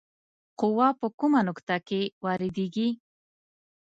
قوه په کومه نقطه کې واردیږي؟